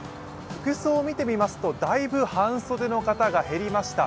服装を見てみますと、だいぶ半袖の方が減りました。